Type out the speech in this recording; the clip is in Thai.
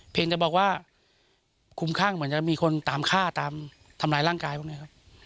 จะบอกว่าคุ้มข้างเหมือนจะมีคนตามฆ่าตามทำร้ายร่างกายพวกนี้ครับ